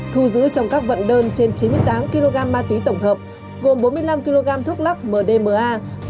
thu giữ trong các vận đơn trên chín mươi tám kg ma túy tổng hợp gồm bốn mươi năm kg thuốc lắc mdma